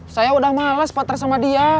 saya udah males pater sama dia